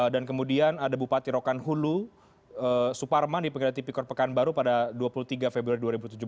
dan kemudian ada bupati rokan hulu suparman dipengadal tipikor pekanbaru pada dua puluh tiga februari dua ribu tujuh belas